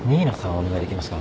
お願いできますか？